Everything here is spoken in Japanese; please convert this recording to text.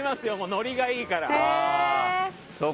ノリがいいから。